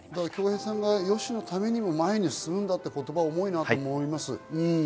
恭平さんがＹＯＳＨＩのためにも前に進むんだという言葉は重いと思います。